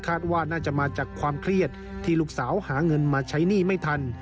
ว่าน่าจะมาจากความเครียดที่ลูกสาวหาเงินมาใช้หนี้ไม่ทัน